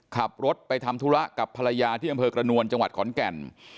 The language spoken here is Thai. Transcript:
ขับรถไปทำธุระกับภรรยาที่อำเภอกระนวลจังหวัดขอนแก่น